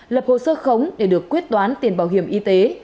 lập hồ sơ khống để được quyết toán tiền bảo hiểm y tế